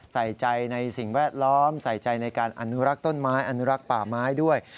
ใส่ใจในสิ่งแวดล้อมใส่ใจในการอนุรักษ์ต้นไม้อนุรักษ์ป่าไม้ด้วย